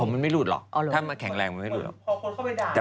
มันไม่หลุดหรอกถ้ามันแข็งแรงมันไม่หลุดหรอก